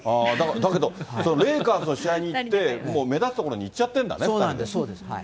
だけど、レイカーズの試合に行って、もう目立つ所に行っちゃってるんだね、２人でね。